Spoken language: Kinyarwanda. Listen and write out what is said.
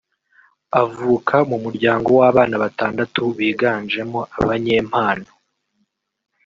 Avuka mu muryango w’abana batandatu biganjemo abanyempano